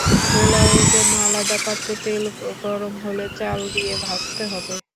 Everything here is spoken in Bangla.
পোলাওয়ের জন্য আলাদা পাত্রে তেল গরম হলে চাল দিয়ে ভাঁজতে হবে।